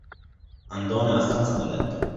Andò nella stanza da letto.